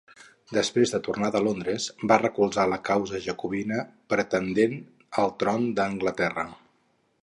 Després de tornar de Londres, va recolzar la causa jacobita pretendent al tron d'Anglaterra.